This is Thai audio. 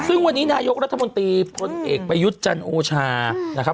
ซึ่งวันนี้นายกรัฐมนตรีพลเอกประยุทธ์จันโอชานะครับ